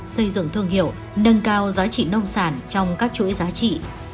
xây dựng thương hiệu nâng cao giá trị nông sản trong các chuỗi giá trị